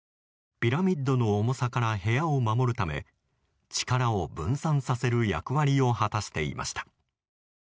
ピラミッドの重さから部屋を守るため力を分散させる役割を果たしていました。